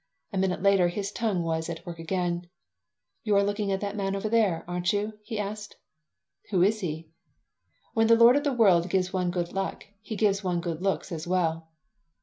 A minute later his tongue was at work again "You are looking at that man over there, aren't you?" he asked "Who is he?" "When the Lord of the World gives one good luck he gives one good looks as well."